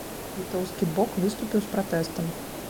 Літоўскі бок выступіў з пратэстам.